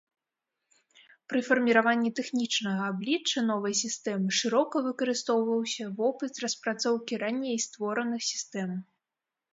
Пры фарміраванні тэхнічнага аблічча новай сістэмы шырока выкарыстоўваўся вопыт распрацоўкі раней створаных сістэм.